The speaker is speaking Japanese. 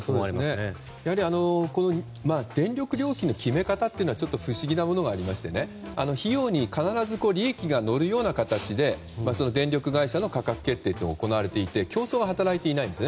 やはり、電力料金の決め方というのはちょっと不思議なものがあって必ず利益が乗るように電力会社の価格決定は行われていて競争が働いていないんです。